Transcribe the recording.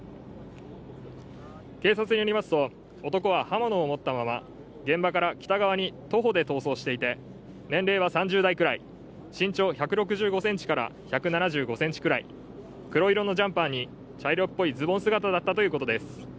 警察によりますと、男は刃物を持ったまま現場から北側に徒歩で逃走していて年齢は３０代くらい、身長１６５１７５ｃｍくらい黒色のジャンパーに茶色っぽいズボン姿だったということです。